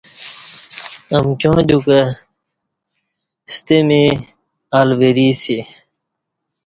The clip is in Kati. امکیاں دیوکہ ستہ می الہ وری اسی